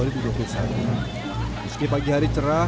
meski pagi hari cerah